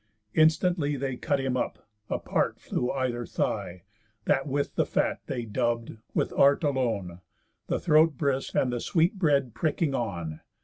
Instantly They cut him up; apart flew either thigh, That with the fat they dubb'd, with art alone, The throat brisk, and the sweet bread pricking on.